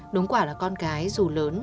đúng quả là con gái dù lớn